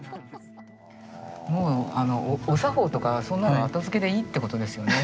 もうお作法とかそんなのは後付けでいいってことですよね。